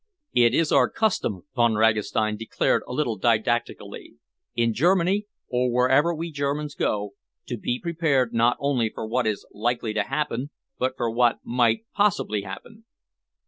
"It is our custom," Von Ragastein declared a little didactically, "in Germany and wherever we Germans go, to be prepared not only for what is likely to happen but for what might possibly happen."